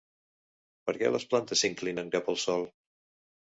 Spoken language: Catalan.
Perquè les plantes s'inclinen cap al sol?